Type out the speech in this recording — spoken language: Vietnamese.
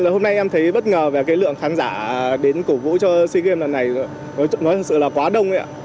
hôm nay em thấy bất ngờ về cái lượng khán giả đến cổ vũ cho sea games lần này nói thật sự là quá đông ấy ạ